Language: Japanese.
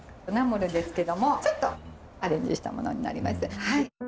ナムルですけどもちょっとアレンジしたものになります。